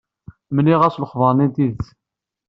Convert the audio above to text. Mliɣ-as lexber-nni n tidet.